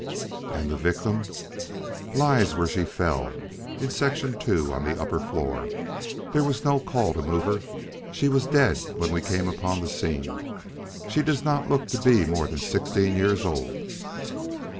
"And the victim?" "Lies where she fell, in Section II on the upper floor. There was no call to move her. She was dead when we came upon the scene. She does not look to be more than sixteen years old."